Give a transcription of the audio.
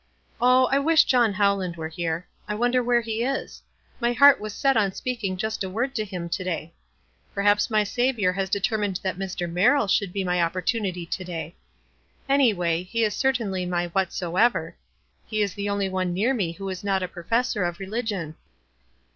Oh, I wish John Howland were here. I wonder where he »s? My heart was set on speaking just a word tc him to day. Perhaps my Saviour has deter mined that Mr. Merrill should be my opportunity to day. Anyway, he is certainly my 'Whatso ever.' He is the only one near me who is not a professor of religion."